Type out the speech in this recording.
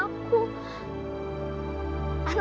juan tuh anak orang kaya